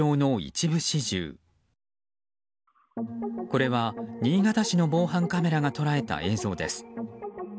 これは、新潟市の防犯カメラが捉えた映像です。